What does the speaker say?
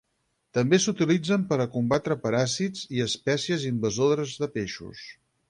També s'utilitzen per a combatre paràsits i espècies invasores de peixos.